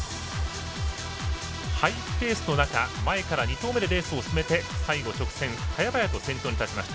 ハイペースの中、前から２頭目でレースを進めて最後、直線早々とトップに立ちました。